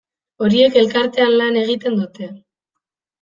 Horiek elkartean lan egiten dute.